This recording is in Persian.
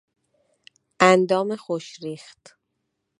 اندام خوش ریخت